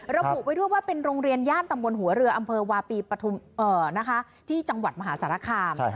เราปลูกไว้ด้วยว่าเป็นโรงเรียนย่านตำบลหัวเรืออำเภอวาปีประธุมิตรที่จังหวัดมหาศาลคาม